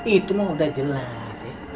itu mah udah jelas ya